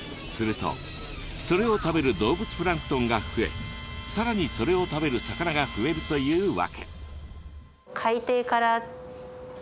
するとそれを食べる動物プランクトンが増えさらにそれを食べる魚が増えるというわけ。